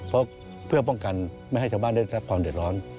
เพราะเพื่อป้องกันไม่ให้ชาวบ้านได้รับความเดือดร้อน